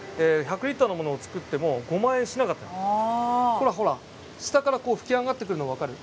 ほらほら下からこう噴き上がってくるの分かる？